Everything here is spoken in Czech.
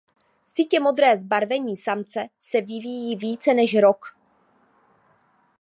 Sytě modré zbarvení samce se vyvíjí více než rok.